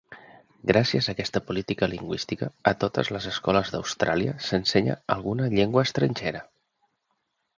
Gràcies a aquesta política lingüística a totes les escoles d'Austràlia s'ensenya alguna llengua estrangera.